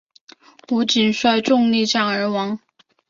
吴瑾率众力战而亡。